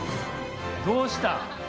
どうした？